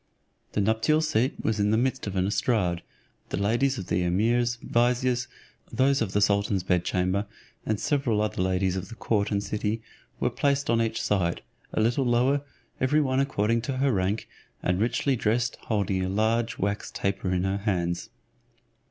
The nuptial seat was in the midst of an estrade. The ladies of the emirs, viziers, those of the sultan's bed chamber, and several other ladies of the court and city, were placed on each side, a little lower, every one according to her rank, and richly dressed, holding a large wax taper in her hands.